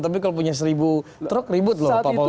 tapi kalau punya seribu truk ribut loh pak maula